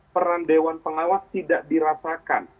peran dewan pengawas tidak dirasakan